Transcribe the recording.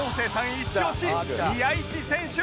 イチオシ宮市選手